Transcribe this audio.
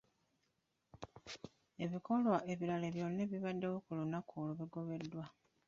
Ebikolwa ebirala byonna ebibaddewo ku lunaku olwo bigobeddwa.